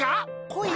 こい？